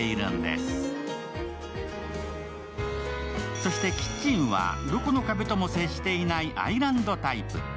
そして、キッチンはどこの壁とも接触していないアイランドタイプ。